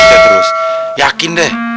kita terus yakin deh